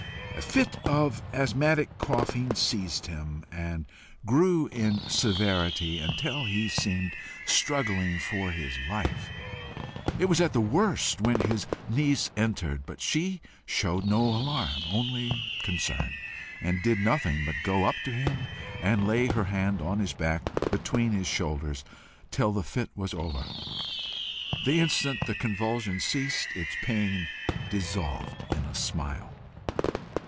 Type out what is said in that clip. A fit of asthmatic coughing seized him, and grew in severity until he seemed struggling for his life. It was at the worst when his niece entered, but she showed no alarm, only concern, and did nothing but go up to him and lay her hand on his back between his shoulders till the fit was over. The instant the convulsion ceased, its pain dissolved in a smile.